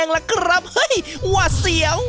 ยังละครับเฮ้ยว่าเสียว